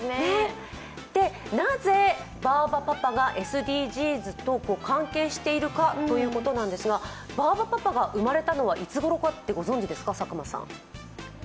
なぜ、バーバパパがＳＤＧｓと関係しているのかということなんですが、バーバパパが生まれたのはいつごろかご存じですか？